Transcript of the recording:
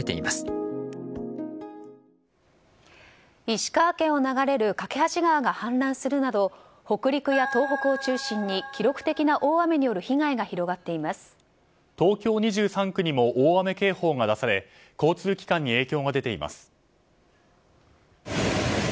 石川県を流れる梯川が氾濫するなど北陸や東北を中心に記録的な大雨による東京２３区にも大雨警報が出され交通機関に影響が出ています。